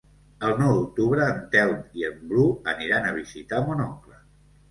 El nou d'octubre en Telm i en Bru aniran a visitar mon oncle.